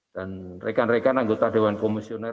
dan rekan rekan anggota dewan komisioner